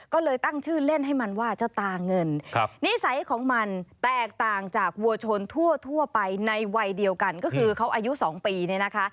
ก็เลยตั้งชื่อเล่นให้มันว่าเจ้าตาเงินนิสัยของมันแตกต่างจากวัวชนทั่วไปในวัยเดียวกันก็คือเขาอายุ๒ปีเนี่ยนะคะ